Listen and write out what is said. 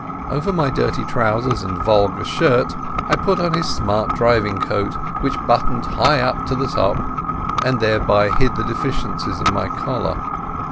Over my dirty trousers and vulgar shirt I put on his smart driving coat, which buttoned high at the top and thereby hid the deficiencies of my collar.